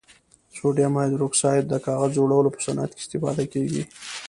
سوډیم هایدروکسایډ د کاغذ جوړولو په صنعت کې استفاده کیږي.